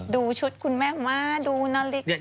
ดูชุดคุณแม่มาดูนาฬิกา